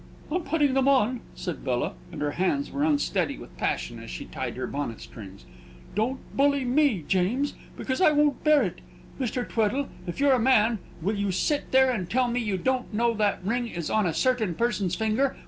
"I'm putting them on," said Bella; and her hands were unsteady with passion as she tied her bonnet strings. "Don't bully me, James, because I won't bear it! Mr. Tweddle, if you're a man, will you sit there and tell me you don't know that that ring is on a certain person's finger?